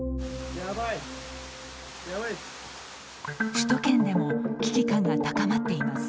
首都圏でも危機感が高まっています。